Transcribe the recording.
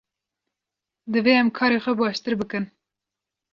Divê em karê xwe baştir bikin.